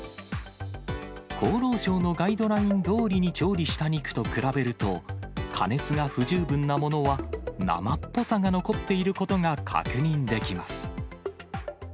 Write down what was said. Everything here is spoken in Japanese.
厚労省のガイドラインどおりに調理した肉と比べると、加熱が不十分なものは、生っぽさが残っていることが確認できます。